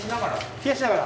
冷やしながら。